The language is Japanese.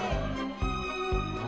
何？